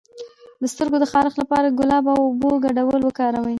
د سترګو د خارښ لپاره د ګلاب او اوبو ګډول وکاروئ